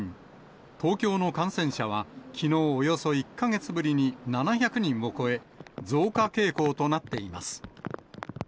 東京の感染者は、きのう、およそ１か月ぶりに７００人を超え、増加傾向となっています。